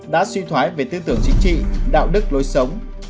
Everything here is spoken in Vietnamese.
đã suy thoái về tư tưởng chính trị đạo đức lối sống